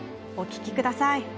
お聴きください。